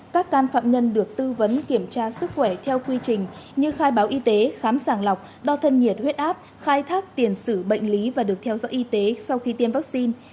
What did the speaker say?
các can phạm nhân được tư vấn kiểm tra sức khỏe theo quy trình như khai báo y tế khám sàng lọc đo thân nhiệt huyết áp khai thác tiền xử bệnh lý và được theo dõi y tế sau khi tiêm vaccine